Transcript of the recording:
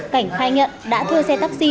cảnh khai nhận đã thưa xe taxi